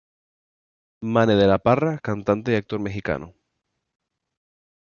Mane de la Parra, cantante y actor mexicano.